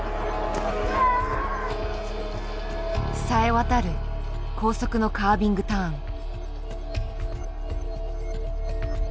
さえ渡る高速のカービングターン。